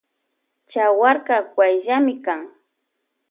Chawarka wayllami kan.